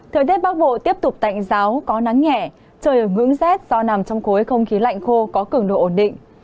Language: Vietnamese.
thời tiết bác bộ tiếp tục tạnh giáo có nắng nhẹ trời ngưỡng rét do nằm trong khối không khí lạnh khô có cứng độ ổn định